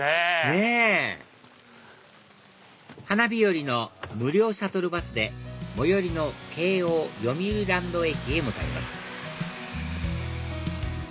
ねぇＨＡＮＡ・ＢＩＹＯＲＩの無料シャトルバスで最寄りの京王よみうりランド駅へ向かいます